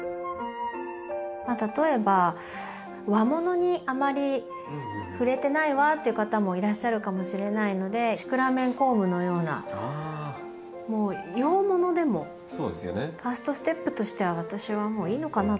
例えば「和物にあまり触れてないわ」っていう方もいらっしゃるかもしれないのでシクラメン・コウムのようなもう洋物でもファーストステップとしては私はいいのかなと。